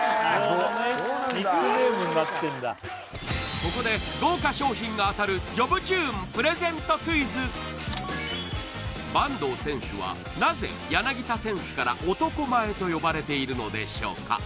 ここで豪華賞品が当たる板東選手はなぜ柳田選手から男前と呼ばれているのでしょうか？